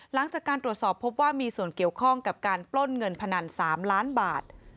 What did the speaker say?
หลังจากการตรวจสอบพบว่ามีส่วนเกี่ยวข้องกับการปล้นเงินพนัน๓ล้านบาท